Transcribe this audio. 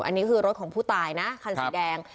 อันนี้คือรถของผู้ตายนะคันสีแดง